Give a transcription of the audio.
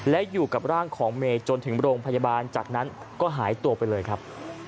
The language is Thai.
และอยู่กับร่างของเมย์จนถึงโรงพยาบาลจากนั้นก็หายตัวไปเลยครับ